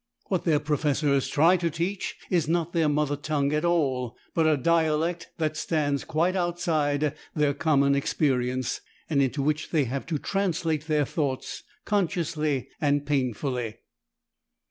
What their professors try to teach is not their mother tongue at all, but a dialect that stands quite outside their common experience, and into which they have to translate their thoughts, consciously and painfully.